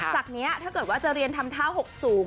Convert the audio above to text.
จากนี้ถ้าเกิดว่าจะเรียนทำท่าหกสูง